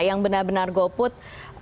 yang benar benar go put